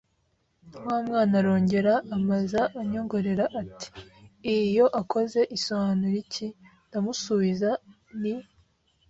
Wa mwana arongera amaza anyongorera ati: “Ii yo akoze isoanura iki” Ndamusuiza nt